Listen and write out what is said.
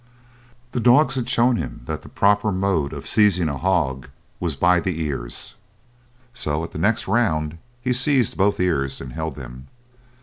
The dogs had shown him that the proper mode of seizing a hog was by the ears, so at the next round he seized both ears and held them.